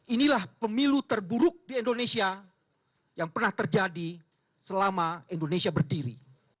inilah pemilu terburuk di indonesia yang pernah terjadi selama indonesia berdiri